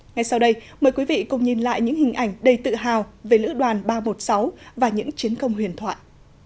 ngay sau đây mời quý vị cùng nhìn lại những hình ảnh đầy tự hào về lữ đoàn ba trăm một mươi sáu và những chiến công huyền thoại